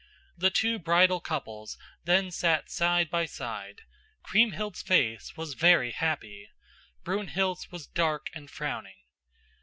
The two bridal couples then sat side by side. Kriemhild's face was very happy; Brunhild's was dark and frowning.